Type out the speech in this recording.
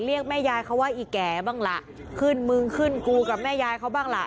เรียกแม่ยายเขาว่าอีแก่บ้างล่ะขึ้นมึงขึ้นกูกับแม่ยายเขาบ้างล่ะ